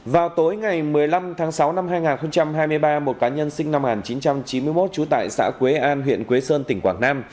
vào tối ngày một mươi năm tháng sáu năm hai nghìn hai mươi ba một cá nhân sinh năm một nghìn chín trăm chín mươi một trú tại xã quế an huyện quế sơn tỉnh quảng nam